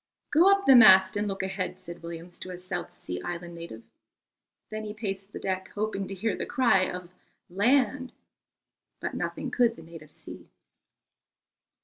"Go up the mast and look ahead," said Williams to a South Sea Island native. Then he paced the deck, hoping to hear the cry of "Land," but nothing could the native see.